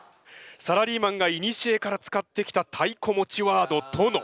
サラリーマンがいにしえから使ってきたたいこ持ちワードトノ。